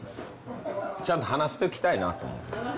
ちゃんと話しておきたいなと思って。